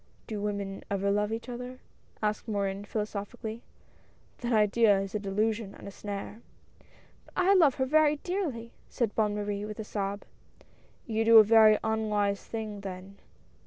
"Do women ever love each other?" asked Morin philosophically, —" that idea is a delusion and a snare." " But I love her very dearly," said Bonne Marie, with a sob. " You do a very unwise thing, then."